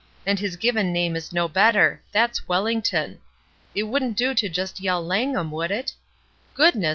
And his given name is no better; that's 'Welhngton.' It wouldn't do to just yell ' Langham ' would it ? Goodness